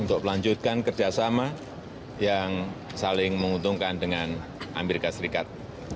untuk melanjutkan kerjasama yang saling menguntungkan dengan amerika serikat